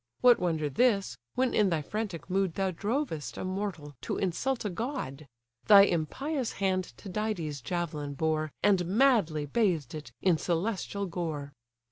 What wonder this, when in thy frantic mood Thou drovest a mortal to insult a god? Thy impious hand Tydides' javelin bore, And madly bathed it in celestial gore."